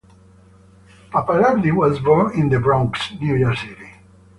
Pappalardi was born in The Bronx, New York City.